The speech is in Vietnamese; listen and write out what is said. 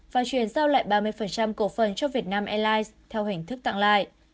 và chuyển giao lại ba mươi cổ phần cho vietnam airlines theo hình thức tặng lại